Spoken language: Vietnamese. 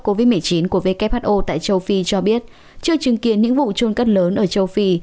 covid một mươi chín của who tại châu phi cho biết chưa chứng kiến những vụ trôn cất lớn ở châu phi